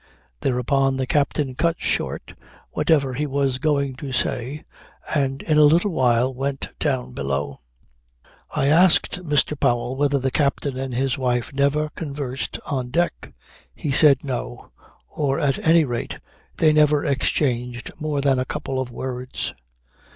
Thereupon the captain cut short whatever he was going to say, and in a little while went down below. I asked Mr. Powell whether the captain and his wife never conversed on deck. He said no or at any rate they never exchanged more than a couple of words.